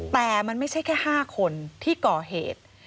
แต่มันไม่ใช่แค่๕คนที่ก่อเหตุ